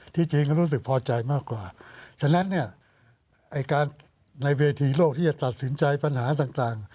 ที่จีนก็รู้สึกพอใจมากกว่าฉะนั้นเนี่ยในเวทีโลกที่จะตัดสินใจปัญหาต่าง